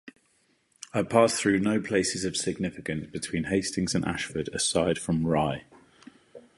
It passed through no places of significance between Hastings and Ashford aside from Rye.